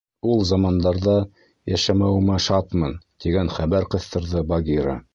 — Ул замандарҙа йәшәмәүемә шатмын, — тигән хәбәр ҡыҫтырҙы Багира.